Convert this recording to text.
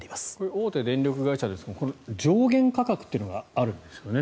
大手電力会社ですが上限価格があるんですね